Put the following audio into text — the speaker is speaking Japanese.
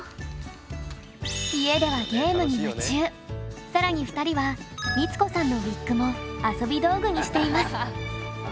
家ではさらに２人は光子さんのウィッグも遊び道具にしています。